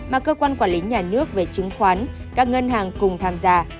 mà cơ quan quản lý nhà nước về chứng khoán các ngân hàng cùng tham gia